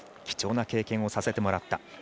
貴重な経験をさせてもらった。